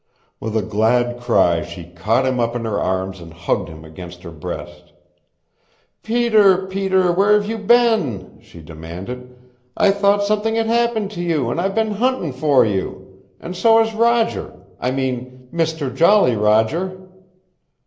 With a glad cry she caught him up in her arms and hugged him against her breast. "Peter, Peter, where have you been?" she demanded. "I thought something had happened to you, and I've been huntin' for you, and so has Roger I mean Mister Jolly Roger."